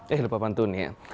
eh lupa pantun ya